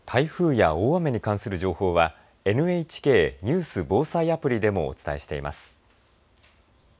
台風や大雨に関する情報はＮＨＫニュース・防災アプリでもお伝えしています。